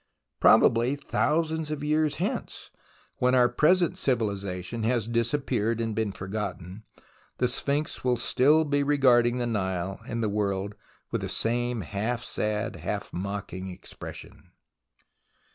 Probably thousands of years hence, when our present civilization has disappeared and been forgotten, the Sphinx will still be regarding the Nile and the world with the same half sad, half mocking expression.